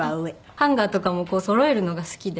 ハンガーとかもこうそろえるのが好きで。